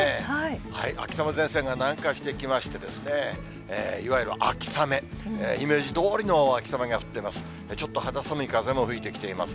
秋雨前線が南下してきまして、いわゆる秋雨、イメージどおりの秋雨が降ってます。